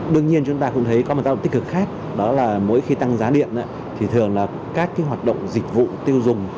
đương nhiên chúng ta cũng thấy có một tác động tích cực khác đó là mỗi khi tăng giá điện thì thường là các cái hoạt động dịch vụ tiêu dùng